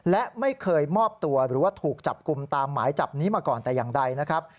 และไม่เคยมอบตัวหรือว่าถูกจับกลุ่มตามหมายจับนี้มาก่อนแต่อย่างใดนะครับ